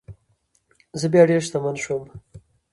زه بیا ډیر شتمن شوم.